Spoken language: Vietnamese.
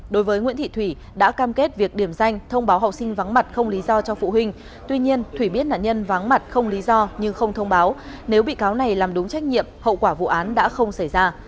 đối với nguyễn thị thủy đã cam kết việc điểm danh thông báo học sinh vắng mặt không lý do cho phụ huynh tuy nhiên thủy biết nạn nhân vắng mặt không lý do nhưng không thông báo nếu bị cáo này làm đúng trách nhiệm hậu quả vụ án đã không xảy ra